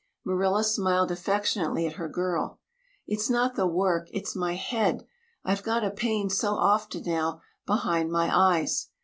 Marilla smiled affectionately at her girl. "It's not the work it's my head. I've got a pain so often now behind my eyes.